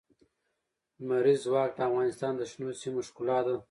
لمریز ځواک د افغانستان د شنو سیمو ښکلا ده.